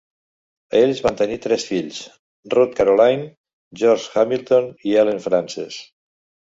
Ells van tenir tres fills: Ruth Caroline, George Hamilton i Helen Frances.